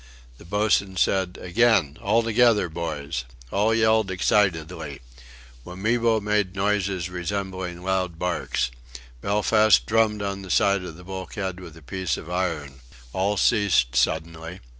The boatswain said: "Again! All together, boys!" All yelled excitedly. Wamibo made noises resembling loud barks. Belfast drummed on the side of the bulkhead with a piece of iron. All ceased suddenly.